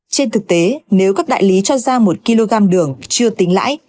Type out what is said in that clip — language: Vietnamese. trên thực tế nếu các đại lý cho ra một kg đường chưa tính lãi